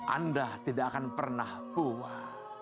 anda tidak akan pernah puas